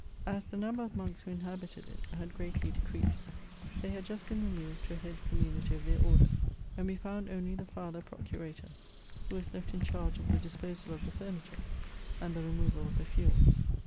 As the number of monks who inhabited it had greatly decreased, they had just been removed to a head community of their order, and we found only the Father Procurator, who was left in charge of the disposal of the furniture, and the removal of the fuel.